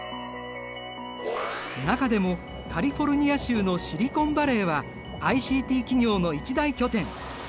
中でもカリフォルニア州のシリコンヴァレーはＩＣＴ企業の一大拠点。